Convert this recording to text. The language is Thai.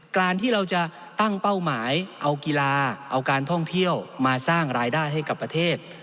การที่เราจะตั้งเป้าหมายเอากีฬาเอาการท่องเที่ยวมาสร้างรายได้ให้กับประเทศ